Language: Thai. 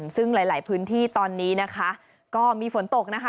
ซึ่งหลายพื้นที่ตอนนี้นะคะก็มีฝนตกนะคะ